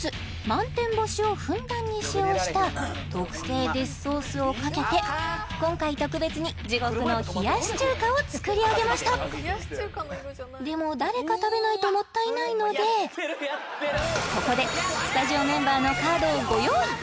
満天星をふんだんに使用した特製デスソースをかけて今回特別に地獄の冷やし中華を作り上げましたでもここでスタジオメンバーのカードをご用意！